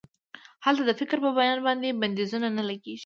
هلته د فکر په بیان باندې بندیزونه نه لګیږي.